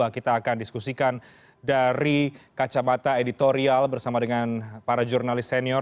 kita akan diskusikan dari kacamata editorial bersama dengan para jurnalis senior